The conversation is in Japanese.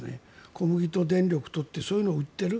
小麦と電力とそういうのを売っている。